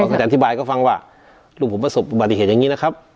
ก็จะอธิบายเขาฟังว่าลูกผมประสบอุบัติเหตุอย่างนี้นะครับ